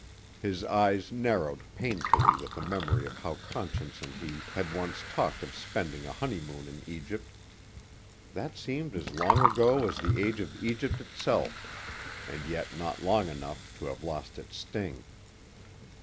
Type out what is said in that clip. His eyes narrowed painfully with a memory of how Conscience and he had once talked of spending a honeymoon in Egypt. That seemed as long ago as the age of Egypt itself and yet not long enough to have lost its sting.